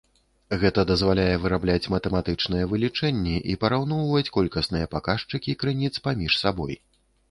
Гэта дазваляе вырабляць матэматычныя вылічэнні і параўноўваць колькасныя паказчыкі крыніц паміж сабой.